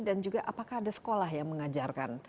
dan juga apakah ada sekolah yang mengajarkan